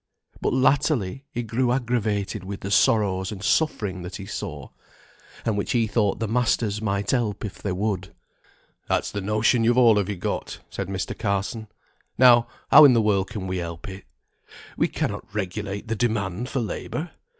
But latterly he grew aggravated with the sorrows and suffering that he saw, and which he thought the masters might help if they would." "That's the notion you've all of you got," said Mr. Carson. "Now, how in the world can we help it? We cannot regulate the demand for labour.